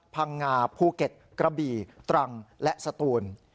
พังงาภูเก็ตกระบี่ตรังและสตูน